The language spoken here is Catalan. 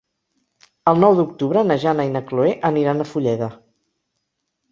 El nou d'octubre na Jana i na Chloé aniran a Fulleda.